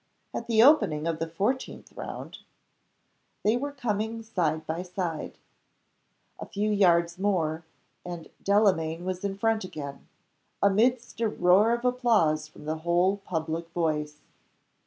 At the opening of the fourteenth round, they were coming sid e by side. A few yards more, and Delamayn was in front again, amidst a roar of applause from the whole public voice.